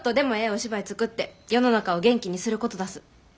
お芝居作って世の中を元気にすることだす。